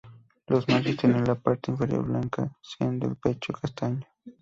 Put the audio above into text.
Los machos tienen la parte inferior blanca, siendo el pecho castaño.